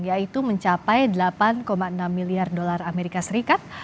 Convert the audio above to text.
yaitu mencapai delapan enam miliar usd